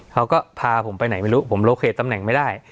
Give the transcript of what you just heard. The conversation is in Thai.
เขาก็พาผมไปไหนไม่รู้ผมโลเคตตำแหน่งไม่ได้